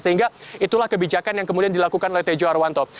sehingga itulah kebijakan yang kemudian dilakukan oleh tejo harwanto